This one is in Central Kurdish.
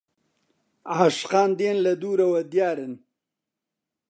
عاشقان دێن لە دوورەوە دیارن